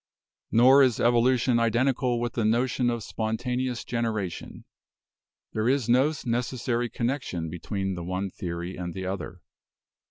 "Nor is evolution identical with the notion of spontane ous generation. There is no necessary connection between the one theory and the other.